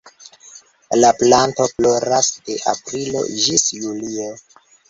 La planto floras de aprilo ĝis julio.